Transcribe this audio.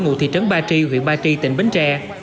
ngụ thị trấn ba tri huyện ba tri tỉnh bến tre